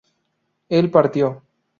él partió